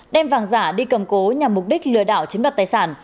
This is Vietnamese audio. đem vàng giả đi cầm cố nhằm mục đích lừa đảo chiếm đoạt tài sản